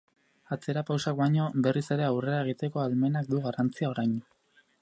Atzerapausoak baino, berriz ere aurrera egiteko ahalmenak du garrantzia orain.